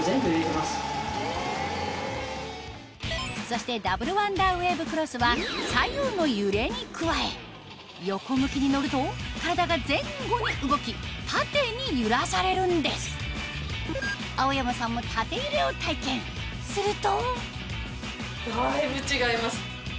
そしてダブルワンダーウェーブクロスは左右の揺れに加え横向きに乗ると体が前後に動き縦に揺らされるんです青山さんもするとだいぶ違います。